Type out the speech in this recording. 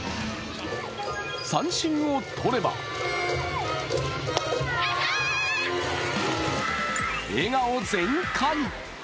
三振を取れば笑顔全開。